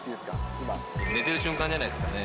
今、寝てる瞬間じゃないですかね。